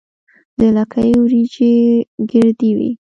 د لکۍ وریجې ګردې وي.